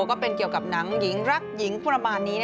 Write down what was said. ก็เป็นเกี่ยวกับหนังหญิงรักหญิงประมาณนี้